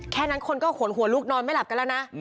แค่นั้นคนก็ขนหัวลุกนอนไม่หลับกันแล้วนะ